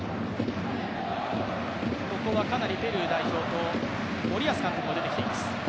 ここはペルー代表と森保監督も出てきています。